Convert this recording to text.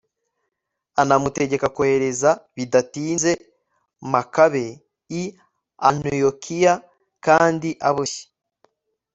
anamutegeka kohereza bidatinze makabe i antiyokiya, kandi aboshye